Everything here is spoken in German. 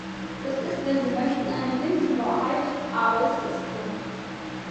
Das ist wenn Sie möchten eine Binsenwahrheit, aber es ist so.